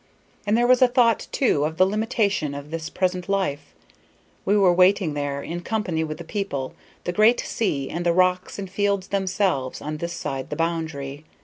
And there was a thought, too, of the limitation of this present life; we were waiting there, in company with the people, the great sea, and the rocks and fields themselves, on this side the boundary.